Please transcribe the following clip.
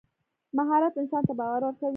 مهارت انسان ته باور ورکوي.